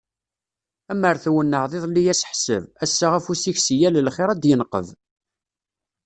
Amer twennɛeḍ iḍelli aseḥseb, ass-a afus-ik si yal lxir ad d-yenqeb.